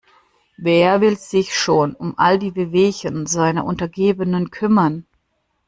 Wer will sich schon um all die Wehwehchen seiner Untergebenen kümmern?